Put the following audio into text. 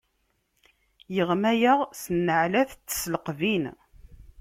Iɣma-yaɣ s nneɛlat d tesleqbin.